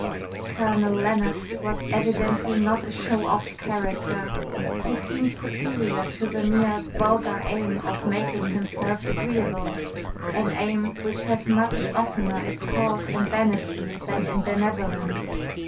Colonel Lennox was evidently not a show off character. He seemed superior to the mere vulgar aim of making himself agreeable an aim which has much oftener its source in vanity than in benevolence.